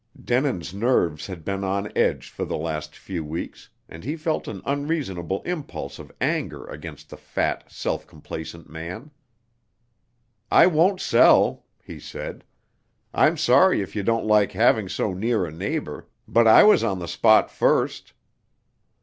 Denin's nerves had been on edge for the last few weeks, and he felt an unreasonable impulse of anger against the fat, self complacent man. "I won't sell," he said. "I'm sorry if you don't like having so near a neighbor, but I was on the spot first."